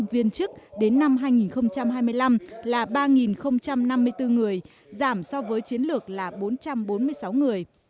viên chức đến năm hai nghìn hai mươi năm là ba năm mươi bốn người giảm so với chiến lược là bốn trăm bốn mươi sáu người